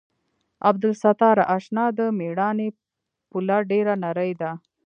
عبدالستاره اشنا د مېړانې پوله ډېره نرۍ ده.